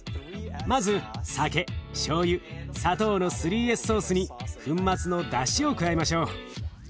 まず酒しょうゆ砂糖の３Ｓソースに粉末のだしを加えましょう。